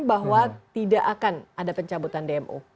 bahwa tidak akan ada pencabutan dmo